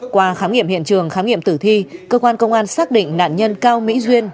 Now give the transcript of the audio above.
qua khám nghiệm hiện trường khám nghiệm tử thi cơ quan công an xác định nạn nhân cao mỹ duyên